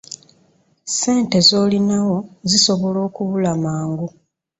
Ssente z'olinawo zisobola okubula mangu.